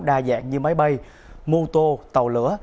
đa dạng như máy bay mô tô tàu lửa